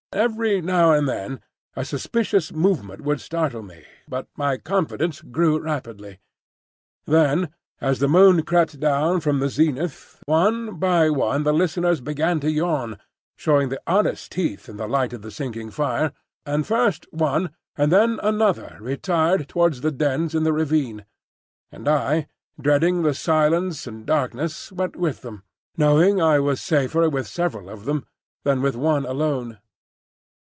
Every now and then a suspicious movement would startle me, but my confidence grew rapidly. Then as the moon crept down from the zenith, one by one the listeners began to yawn (showing the oddest teeth in the light of the sinking fire), and first one and then another retired towards the dens in the ravine; and I, dreading the silence and darkness, went with them, knowing I was safer with several of them than with one alone.